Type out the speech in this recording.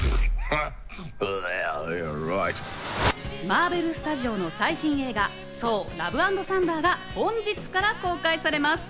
マーベル・スタジオの最新映画『ソー：ラブ＆サンダー』が本日から公開されます。